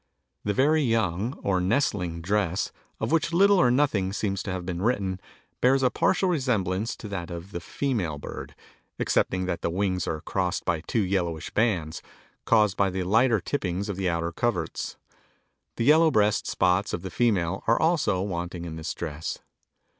The very young, or nestling dress, of which little or nothing seems to have been written, bears a partial resemblance to that of the female bird, excepting that the wings are crossed by two yellowish bands, caused by the lighter tippings of the outer coverts. The yellow breast spots of the female are also wanting in this dress.